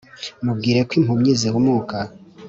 mubwire ko impumyi zihumuka